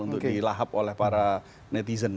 untuk dilahap oleh para netizen